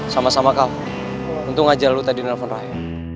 sama sama kau untung aja lu tadi nelfon rayo